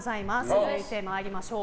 続いて参りましょう。